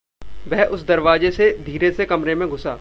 वह उस दरवाज़े से धीरे से कमरे में घुसा।